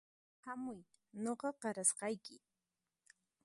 Hamuy nuqa qarasqayki